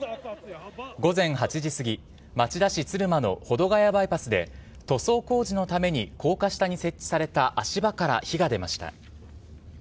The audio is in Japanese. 午前８時過ぎ、町田市鶴間の保土ケ谷バイパスで塗装工事のために高架下に設置された足場から火が出ました。